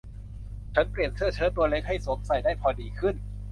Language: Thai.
ฉันเปลี่ยนเสื้อเชิ้ตตัวเล็กเพื่อให้สวมใส่ได้พอดีขึ้น